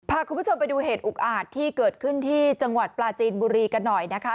พาคุณผู้ชมไปดูเหตุอุกอาจที่เกิดขึ้นที่จังหวัดปลาจีนบุรีกันหน่อยนะคะ